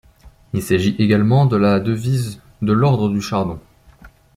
Il s'agit également de la devise de l'Ordre du Chardon.